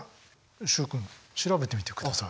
習君調べてみてください。